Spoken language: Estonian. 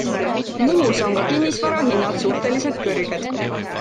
Muhus on ka kinnisvara hinnad suhteliselt kõrged.